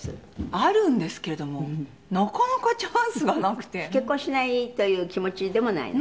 「あるんですけれどもなかなかチャンスがなくて」「結婚しないという気持ちでもないの？」